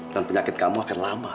dan penyakit kamu akan lama